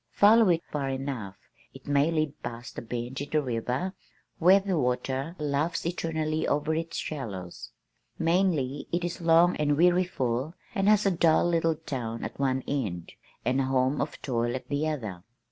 Follow it far enough, it may lead past a bend in the river where the water laughs eternally over its shallows. Mainly it is long and weariful and has a dull little town at one end, and a home of toil at the other.